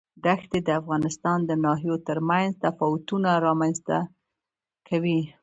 دښتې د افغانستان د ناحیو ترمنځ تفاوتونه رامنځ ته کوي.